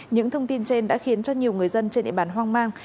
những thông tin trên đã khiến cho nhiều người dân trên địa bàn hoang mang